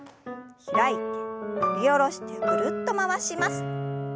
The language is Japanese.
開いて振り下ろしてぐるっと回します。